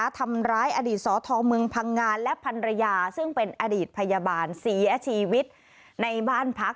ทำร้ายอดีตสธเมืองพังงานและพันรยาซึ่งเป็นอดีตพยาบาลเสียชีวิตในบ้านพัก